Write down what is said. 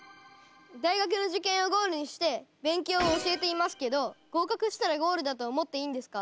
大学の受験をゴールにして勉強を教えていますけど合格したらゴールだと思っていいんですか？